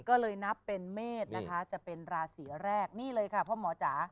ก็เลยนับเป็นเมษนะคะจะเป็นราศีแรกนี่เลยค่ะพ่อหมอจ๋า